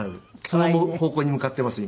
その方向に向かっています